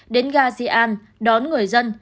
đến gà zian đón người dân